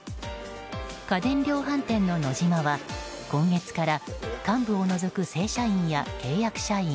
家電量販店のノジマは今月から幹部を除く正社員や契約社員